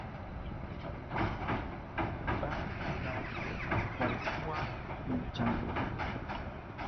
ya Iran Bani Israaiyl walikuwa ni mchanganyiko